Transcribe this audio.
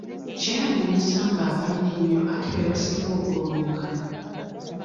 Kyewuunyisa ng'abalina ennyo ate be basinga okululunkana.